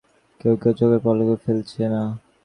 কেউ কেউ চোখের পলকও ফেলছে না।